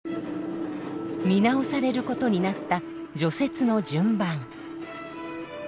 見直されることになった除雪の順番。